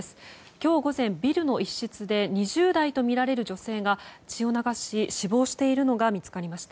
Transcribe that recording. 今日午前、ビルの一室で２０代とみられる女性が血を流し、死亡しているのが見つかりました。